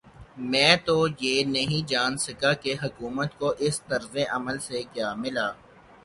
میں تو یہ نہیں جان سکا کہ حکومت کو اس طرز عمل سے کیا ملا؟